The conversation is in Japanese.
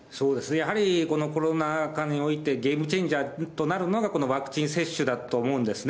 やはりこのコロナ禍においてゲームチェンジャーとなるのが、ワクチン接種だと思うんですね。